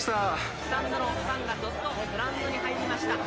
スタンドのファンがどっと、グラウンドに入りました。